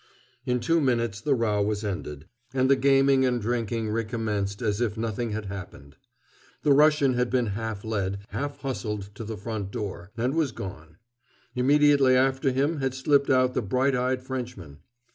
In two minutes the row was ended, and the gaming and drinking recommenced as if nothing had happened. The Russian had been half led, half hustled to the front door, and was gone. Immediately after him had slipped out the bright eyed Frenchman.